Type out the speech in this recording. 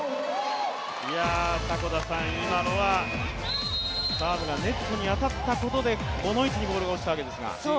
今のは、サーブがネットに当たったことで、この位置にボールが落ちたわけですが。